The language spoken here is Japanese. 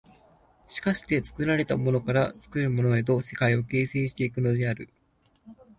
しかして作られたものから作るものへと世界を形成し行くのである。